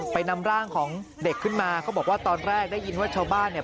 นำร่างของเด็กขึ้นมาเขาบอกว่าตอนแรกได้ยินว่าชาวบ้านเนี่ย